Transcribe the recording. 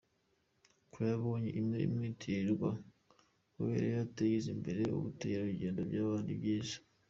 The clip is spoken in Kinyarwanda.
K abonye imwe imwitirirwa kubera ko yateje imbere ubukerarugendo byaba ari byiza.